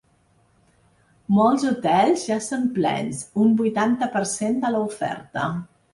Molts hotels ja són plens: un vuitanta per cent de l’oferta.